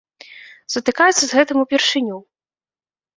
Сутыкаюцца з гэтым упершыню.